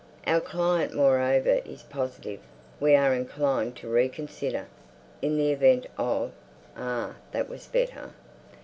"Our client moreover is positive.... We are inclined to reconsider... in the event of—" Ah, that was better.